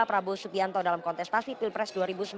prabowo subianto dalam kontestasi pilpres dua ribu sembilan belas